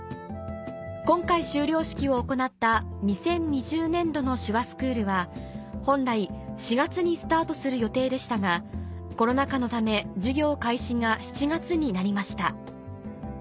今回修了式を行った２０２０年度の手話スクールは本来４月にスタートする予定でしたがコロナ禍のため授業開始が７月になりました